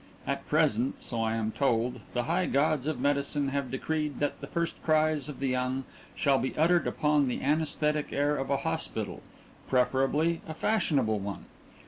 At present, so I am told, the high gods of medicine have decreed that the first cries of the young shall be uttered upon the anaesthetic air of a hospital, preferably a fashionable one.